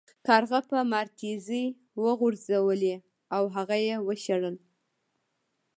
کارغه په مار تیږې وغورځولې او هغه یې وشړل.